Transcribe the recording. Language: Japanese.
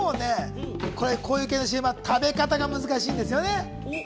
こういう系のＣＭは食べ方が難しいんですよね。